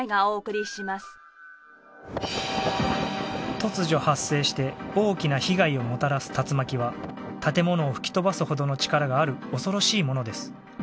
突如発生して大きな被害をもたらす竜巻は建物を吹き飛ばすほどの力がある恐ろしいものです。